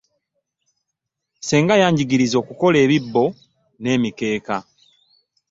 Ssenga yangigiriza okuloka ebibbo n'emikeeka.